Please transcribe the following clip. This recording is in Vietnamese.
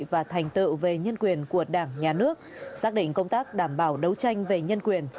và thành tựu về nhân quyền của đảng nhà nước xác định công tác đảm bảo đấu tranh về nhân quyền